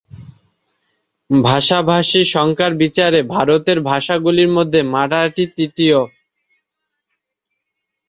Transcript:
ভাষাভাষী সংখ্যার বিচারে ভারতের ভাষাগুলির মধ্যে মারাঠি তৃতীয়।